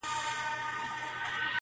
چي دواړه پر خپل ځای پر حق دي